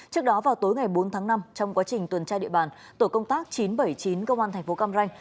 trước đó vào tối ngày bốn tháng năm trong quá trình tuần trai địa bàn tổ công tác chín trăm bảy mươi chín công an thành phố cam ranh